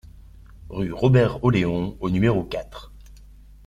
Rue Robert Oléon au numéro quatre